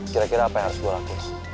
kira kira apa yang harus gue lakukan